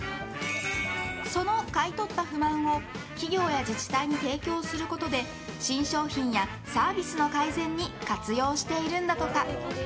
その買い取った不満を企業や自治体に提供することで新商品やサービスの改善に活用しているんだとか。